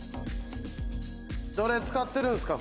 どれ使ってるんですか？